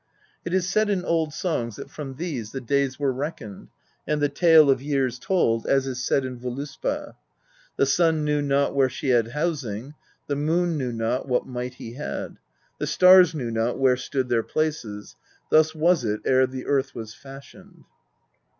It is said in old songs, that from these the days were reck oned, and the tale of years told, as is said in Voluspa: The sun knew not where she had housing; The moon knew not what might he had; The stars knew not where stood their places. Thus was it ere the earth was fashioned."